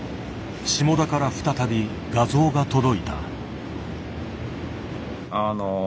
下田から再び画像が届いた。